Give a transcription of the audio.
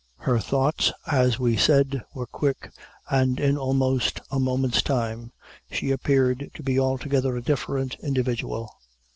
Her thoughts, as we said, were quick, and in almost a moment's time she appeared to be altogether a different individual.